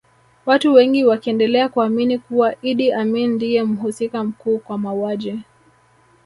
Watu wengi wakiendelea kuamini kuwa Idi Amin ndiye mhusika mkuu kwa mauaji